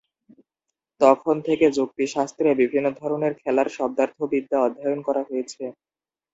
তখন থেকে যুক্তিশাস্ত্রে বিভিন্ন ধরনের খেলার শব্দার্থবিদ্যা অধ্যয়ন করা হয়েছে।